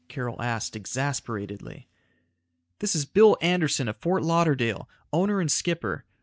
Carol asked exasperatedly. "This is Bill Anderson of Ft. Lauderdale, owner and skipper.